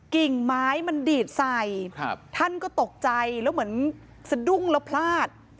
กิ่งไม้มันดีดใส่ท่านก็ตกใจแล้วเหมือนสะดุ้งแล้วพลาด